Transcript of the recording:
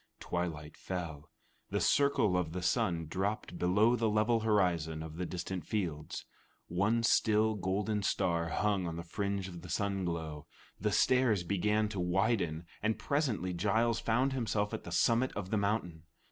Twilight fell. The circle of the sun dropped below the level horizon of the distant fields. One still golden star hung on the fringe of the sun glow. The stairs began to widen, and presently Giles found himself at the summit of the mountain.